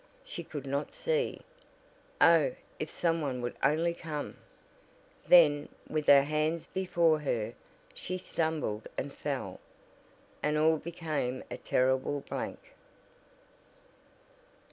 She could not see! Oh, if some one would only come! Then, with her hands before her, she stumbled and fell, and all became a terrible blank.